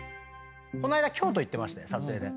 この間京都行ってまして撮影で。